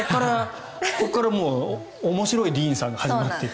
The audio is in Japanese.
ここからもう面白いディーンさんが始まるっていう。